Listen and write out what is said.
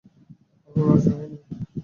হারু রাজি হয় নাই।